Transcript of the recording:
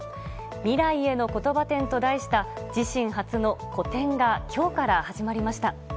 「未来への言葉展」と題した自身初の個展が今日から始まりました。